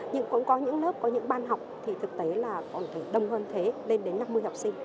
nhưng cũng có những lớp có những ban học thì thực tế là còn đông hơn thế lên đến năm mươi học sinh